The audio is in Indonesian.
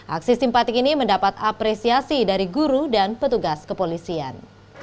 aksi simpatik ini mendapat apresiasi dari guru dan petugas kepolisian